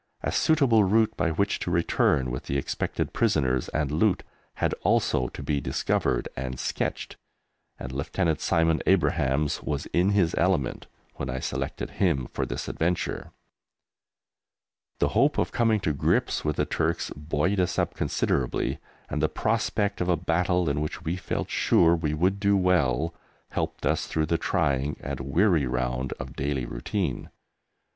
A suitable route by which to return with the expected prisoners and loot had also to be discovered and sketched, and Lieutenant Simon Abrahams was in his element when I selected him for this adventure. The hope of coming to grips with the Turks buoyed us up considerably, and the prospect of a battle in which we felt sure we would do well helped us through the trying and weary round of daily routine.